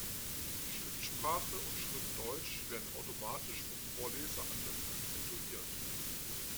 Schriftsprache und Schriftdeutsch werden automatisch vom Vorleser anders akzentuiert.